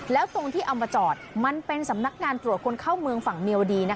แล้วตรงที่เอามาจอดมันเป็นสำนักงานตรวจคนเข้าเมืองฝั่งเมียวดี